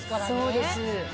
そうです。